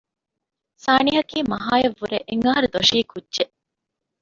ސާނިހަކީ މަހާ އަށް ވުރެ އެއް އަހަރު ދޮށީ ކުއްޖެއް